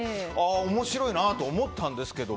面白いなと思ったんですが。